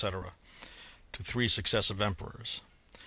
9 to three successive emperors.